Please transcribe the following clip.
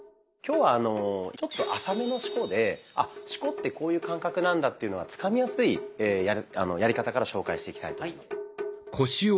今日はちょっと浅めの四股で「あ四股ってこういう感覚なんだ」っていうのがつかみやすいやり方から紹介していきたいと思います。